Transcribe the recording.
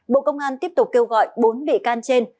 bộ công an tiếp tục kêu gọi bốn bị can trên